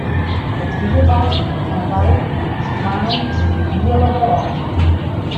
It hie wat fan wy mei ús twaen tsjin de hiele wrâld.